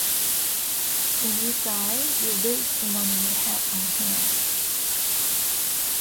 When you die you lose the money you had on hand.